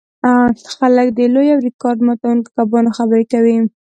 خلک د لویو او ریکارډ ماتوونکو کبانو خبرې کوي